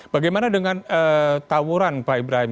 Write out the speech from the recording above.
bagaimana dengan tawuran pak ibrahim